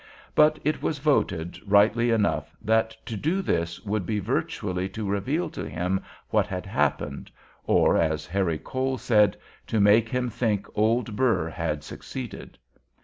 But it was voted, rightly enough, that to do this would be virtually to reveal to him what had happened, or, as Harry Cole said, to make him think Old Burr had succeeded.